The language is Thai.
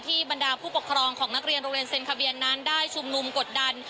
บรรดาผู้ปกครองของนักเรียนโรงเรียนเซ็นคาเบียนนั้นได้ชุมนุมกดดัน